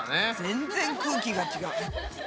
全然空気が違う。